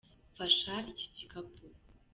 Mfasha iki gikapu.